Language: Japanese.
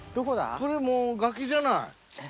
これもう崖じゃない。